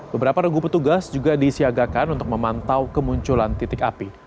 beberapa regu petugas juga disiagakan untuk memantau kemunculan titik api